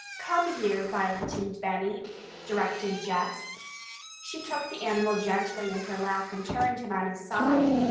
"Come here, Violet and Benny," directed Jess. She took the animal gently in her lap and turned him on his side.